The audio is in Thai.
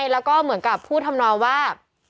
แล้วก็เหมือนกับผู้ธรรมนอลว่า